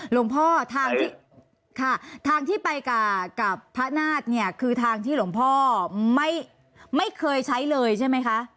หลวงพ่อทางที่ค่ะทางที่ไปกับพระนาฏเนี่ยคือทางที่หลวงพ่อไม่เคยใช้เลยใช่ไหมคะ